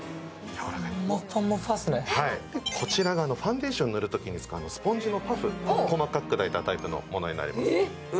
こちらがファンデーションを作るときに使うパフを細かく砕いたタイプのものになります。